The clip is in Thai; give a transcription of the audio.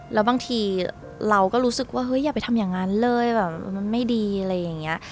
แล้วบางทีเราก็รู้สึกว่าเฮ้ยอย่าไปทำอย่างนั้นเลยแบบมันไม่ดีอะไรอย่างนี้